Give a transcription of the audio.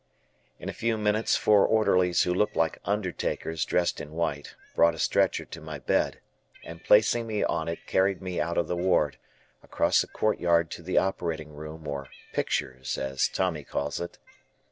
In a few minutes, four orderlies who looked like undertakers dressed in white, brought a stretcher to my bed and placing me on it carried me out of the ward, across a courtyard to the operating room or "pictures," as Tommy calls it.